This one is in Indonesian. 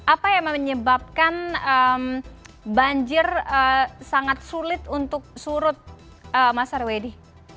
apa yang menyebabkan banjir sangat sulit untuk surut mas arwedi